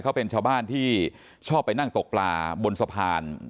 เขาเป็นชาวบ้านที่ชอบไปนั่งตกปลาบนสะพาน